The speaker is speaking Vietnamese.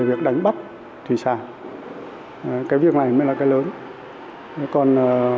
việc đánh bắt thủy sản cái việc này mới là cái lớn còn